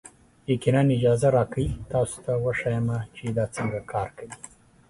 یقینا، اجازه راکړئ تاسو ته وښیم چې دا څنګه کار کوي.